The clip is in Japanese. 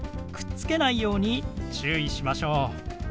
くっつけないように注意しましょう。